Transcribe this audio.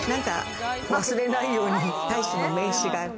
忘れないように大使の名刺が。